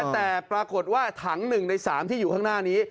แต่ปรากฏว่าถัง๑ใน๓ที่อยู่ข้างหน้านี้